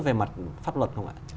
về mặt pháp luật không ạ